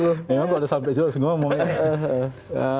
emang kalau sampai disini harus ngomong ya